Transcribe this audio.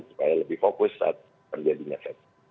supaya lebih fokus saat terjadinya set piece